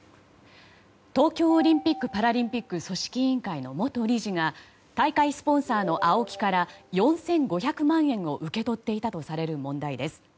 東京オリンピック・パラリンピック組織委員会の元理事が大会スポンサーのＡＯＫＩから４５００万円を受け取っていたとされる問題です。